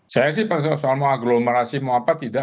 saya sih persoal persoal mau agglomerasi mau apa tidak